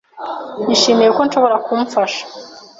Nishimiye ko nshobora kumfasha.